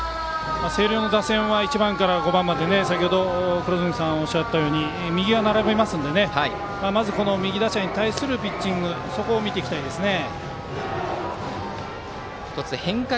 星稜の打線は１番から５番まで先程おっしゃったように右が並ぶので、右打者に対するピッチングを見て行きたいですね。